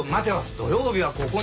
土曜日はここに。